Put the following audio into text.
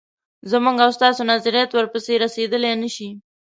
زموږ او ستاسو نظریات ورپسې رسېدلای نه شي.